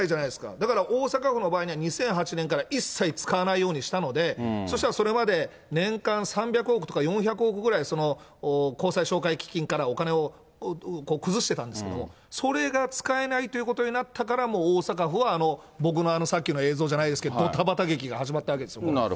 だから大阪府の場合には、２００８年から一切使わないようにしたので、そうしたらそれまで年間３００億とか４００億ぐらい公債償還基金からお金を崩してたんですけど、それが使えないということになったから、もう大阪府は、僕のさっきの映像じゃないですけど、どたばた劇が始まったわけですよ。